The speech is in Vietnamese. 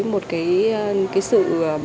một cái sự